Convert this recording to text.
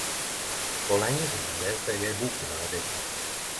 For lenge sidan leste eg ei bok med denne tittelen.